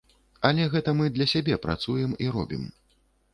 Але гэта мы для сябе працуем і робім.